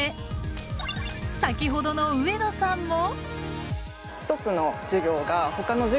先ほどの上野さんも。